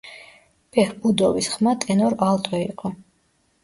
ბეჰბუდოვის ხმა ტენორ ალტო იყო.